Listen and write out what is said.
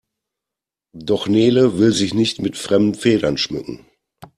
Doch Nele will sich nicht mit fremden Federn schmücken.